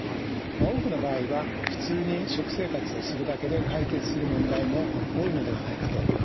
多くの場合は普通に食生活をするだけで解決する問題も多いのではないかというふうに思います。